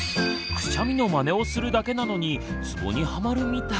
くしゃみのまねをするだけなのにツボにハマるみたい。